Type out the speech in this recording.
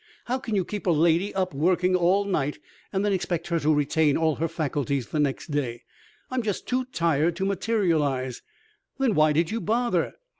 How can you keep a lady up working all night and then expect her to retain all her faculties the next day? I'm just too tired to materialize." "Then why did you bother?"